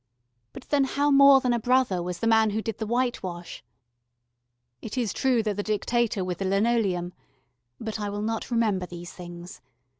But then how more than a brother was the man who did the whitewash! It is true that the dictator with the linoleum but I will not remember these things.